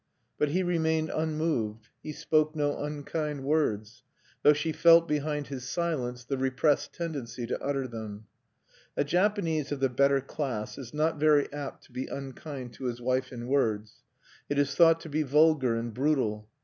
But he remained unmoved. He spoke no unkind words, though she felt behind his silence the repressed tendency to utter them. A Japanese of the better class is not very apt to be unkind to his wife in words. It is thought to be vulgar and brutal.